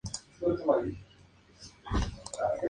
Con algunas de ellas participó en la grabación de sus álbumes.